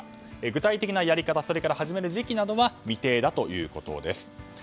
具体的なやり方始める時期などは未定だということです。